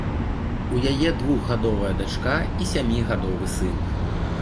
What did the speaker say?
У яе двухгадовая дачка і сямігадовы сын.